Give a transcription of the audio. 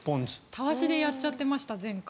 たわしでやっちゃってました、前回。